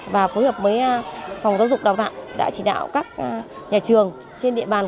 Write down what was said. và phối hợp với phòng giáo dục đào tạo đã chỉ đạo các nhà trường trên địa bàn